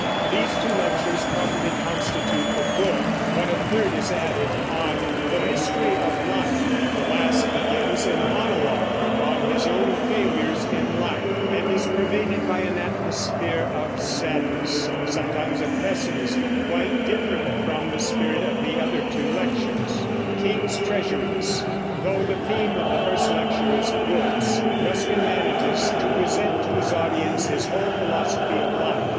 These two lectures properly constitute the book, but a third is added, on "The Mystery of Life." The last begins in a monologue upon his own failures in life, and is pervaded by an atmosphere of sadness, sometimes of pessimism, quite different from the spirit of the other two lectures. Though the theme of the first lecture is books, Ruskin manages to present to his audience his whole philosophy of life.